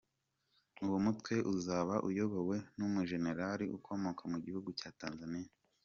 Uwo mutwe uzaba uyobowe n’umujenerali ukomoka mu gihugu cya Tanzaniya.